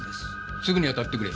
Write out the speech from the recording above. すぐに当たってくれ。